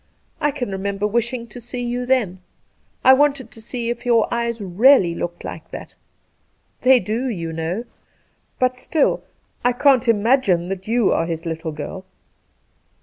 I can re member wishing to see you then. I wanted to see if your eyes really looked like that. They do, you know. But, still, I can't imagine that you are his " little girl."